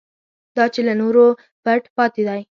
دا چې له نورو پټ پاتې دی.